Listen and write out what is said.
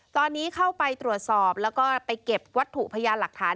ตอนนี้เข้าไปตรวจสอบแล้วก็ไปเก็บวัตถุพยานหลักฐาน